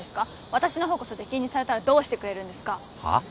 私の方こそ出禁にされたらどうしてくれるんですかはっ？